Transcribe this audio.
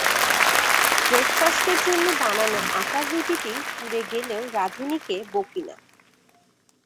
Break ফাস্টের জন্য বানানো আটার রুটিটি পুড়ে গেলেও রাঁধুনিকে বকি না।